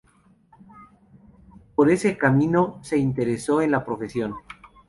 Por ese camino se interesó en la profesión.